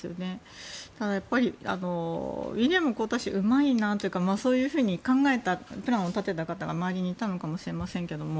ただ、ウィリアム皇太子うまいなというかそういうふうに考えたプランを立てた方が周りにいたのかもしれませんけれども。